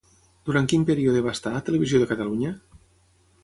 Durant quin període va estar a Televisió de Catalunya?